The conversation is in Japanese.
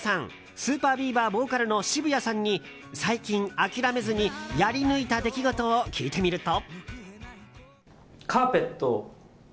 ＳＵＰＥＲＢＥＡＶＥＲボーカルの渋谷さんに最近、諦めずにやり抜いた出来事を聞いてみると。